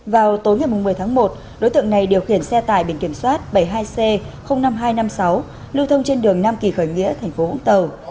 vào tối ngày một mươi tháng một đối tượng này điều khiển xe tải biển kiểm soát bảy mươi hai c năm nghìn hai trăm năm mươi sáu lưu thông trên đường nam kỳ khởi nghĩa tp vũng tàu